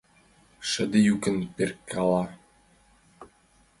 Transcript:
Шыде йӱкын перкала.